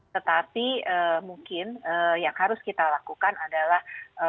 tetapi mungkin yang harus kita lakukan adalah